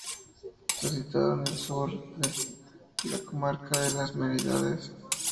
Está situado en el sur de la Comarca de Las Merindades.